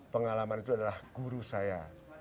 pengalaman itu adalah guru saya